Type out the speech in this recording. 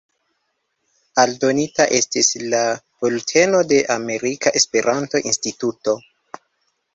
Aldonita estis la "Bulteno de Amerika Esperanto-Instituto".